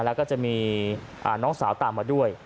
แล้วก็จะมีน้องสาวตามมาด้วย